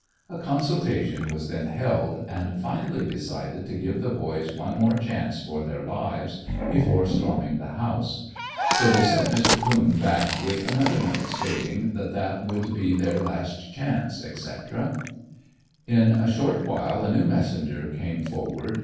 A consultation was then held, and finally decided to give the boys one more chance for their lives, before storming the house. So they sent Mr. Coon back with another note stating, that that would be their last chance, etc. In a short while a new messenger came forward.